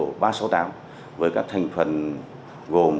với các thành phần gồm các cục quản lý thị trường